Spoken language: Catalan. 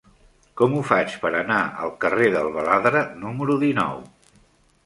Com ho faig per anar al carrer del Baladre número dinou?